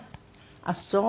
あっそう。